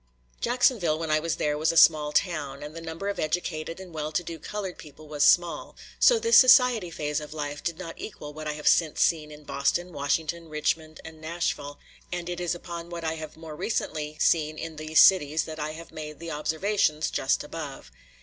Jacksonville, when I was there, was a small town, and the number of educated and well to do colored people was small; so this society phase of life did not equal what I have since seen in Boston, Washington, Richmond, and Nashville; and it is upon what I have more recently seen in these cities that I have made the observations just above.